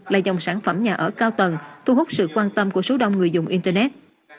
là dòng sản phẩm nhà ở cao tầng thu hút sự quan tâm của số đông người dùng internet